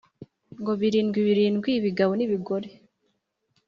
birindwi birindwi ibigabo n ibigore